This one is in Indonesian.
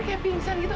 kok dia trivial gitu